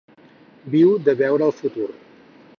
Viu de veure el futur.